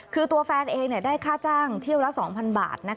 คือตัวแฟนเองได้ค่าจ้างเที่ยวละ๒๐๐บาท